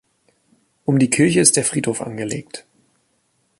Um die Kirche ist der Friedhof angelegt.